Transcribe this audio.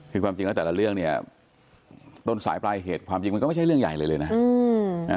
คือความจริงแล้วแต่ละเรื่องเนี่ยต้นสายปลายเหตุความจริงมันก็ไม่ใช่เรื่องใหญ่เลยเลยนะ